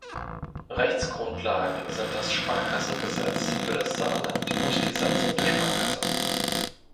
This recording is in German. Rechtsgrundlagen sind das Sparkassengesetz für das Saarland und die Satzung der Sparkasse.